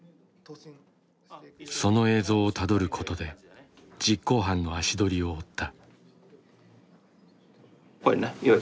その映像をたどることで実行犯の足取りを追った。